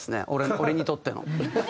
俺にとっての。